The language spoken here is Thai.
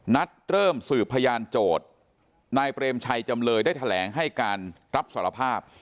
นัดเริ่มสืบพยานโจทย์นายเปรมชัยจำเลยได้แถลงให้การรับสารภาพ